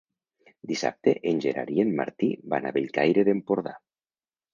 Dissabte en Gerard i en Martí van a Bellcaire d'Empordà.